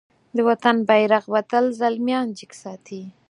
د وطن بېرغ به تل زلميان جګ ساتی.